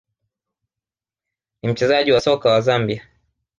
ni mchezaji wa soka wa Zambia